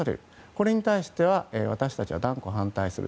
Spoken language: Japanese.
これに対しては私たちは断固反対する。